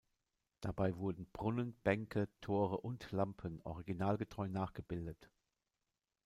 Dabei wurden Brunnen, Bänke, Tore und Lampen originalgetreu nachgebildet.